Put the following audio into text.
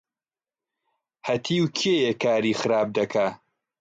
هەتیو کێیە کاری خراپ دەکا؟